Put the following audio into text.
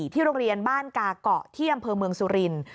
ที่โรงเรียนบ้านกาเกาะที่อำเภอเมืองสุรินทร์